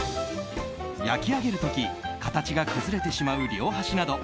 焼き上げる時形が崩れてしまう両端など